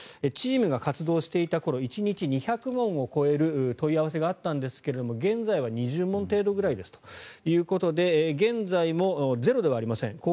チームが活動していた頃１日２００問を超える問い合わせがあったんですが現在は２０問程度ぐらいですということで現在もゼロではありません。